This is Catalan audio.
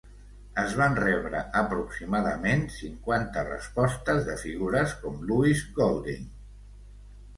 Es van rebre aproximadament cinquanta respostes de figures com Louis Golding.